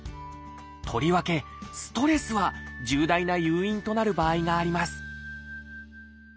とりわけストレスは重大な誘因となる場合があります